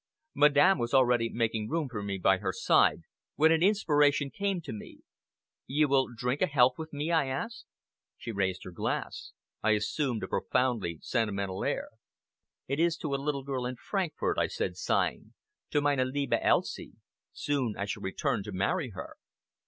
Madame was already making room for me by her side, when an inspiration came to me. "You will drink a health with me?" I asked. She raised her glass. I assumed a profoundly sentimental air. "It is to a little girl in Frankfort," I said sighing. "To meine liebe Elsie! Soon I shall return to marry her!"